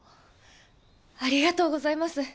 ありがとうございます。